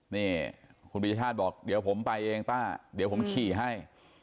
นี่คุณปียชาติบอกเดี๋ยวผมไปเองป้าเดี๋ยวผมขี่ให้